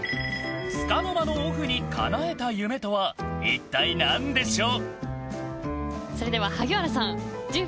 つかの間のオフにかなえた夢とは一体何でしょう？